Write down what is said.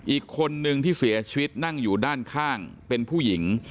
อีกคนนึงที่เสียชีวิตนั่งอยู่ด้านข้างเป็นผู้หญิง